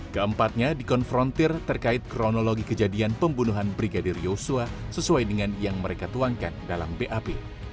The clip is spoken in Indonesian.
keempatnya dikonfrontir terkait kronologi kejadian pembunuhan brigadir yosua sesuai dengan yang mereka tuangkan dalam bap